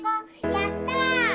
やった！